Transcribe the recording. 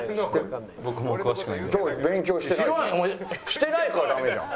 してないからダメじゃん！